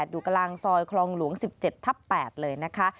อยู่กลางซอยคลองหลวง๑๗ทับ๘เลยนะคะ